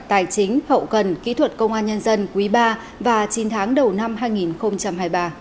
tài chính hậu cần kỹ thuật công an nhân dân quý ba và chín tháng đầu năm hai nghìn hai mươi ba